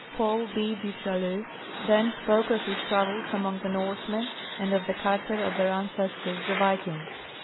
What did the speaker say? Paul B. du Chaillu then spoke of his travels among the Norsemen and of the character of their ancestors, the Vikings.